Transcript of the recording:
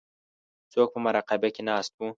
څوک په مراقبه کې ناست وو.